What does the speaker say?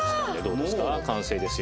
完成ですよ。